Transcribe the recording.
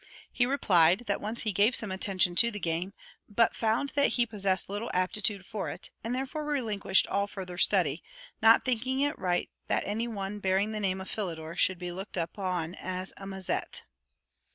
He replied, that he once gave some attention to the game, but found that he possessed little aptitude for it, and therefore relinquished all further study; not thinking it right that any one bearing the name of Philidor should be looked upon as a mazette.